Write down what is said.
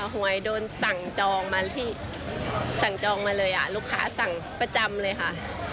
หวยดังก็อายุแซมนะคะ